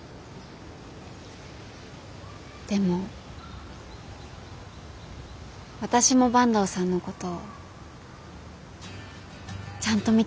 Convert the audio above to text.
でも私も坂東さんのことちゃんと見てるんですよ。